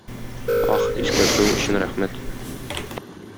Ах, искәртүең өчен рәхмәт!